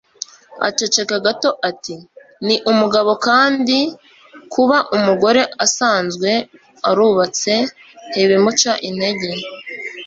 Aceceka gato ati: "Ni umugabo, kandi kuba umugore asanzwe arubatse ntibimuca intege.